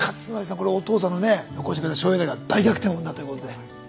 これお父さんのね残してくれた醤油ダレが大逆転を生んだということで。